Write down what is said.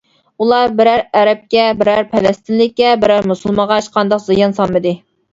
ئۇلار بىرەر ئەرەبكە، بىرەر پەلەستىنلىككە، بىرەر مۇسۇلمانغا ھېچقانداق زىيان سالمىدى.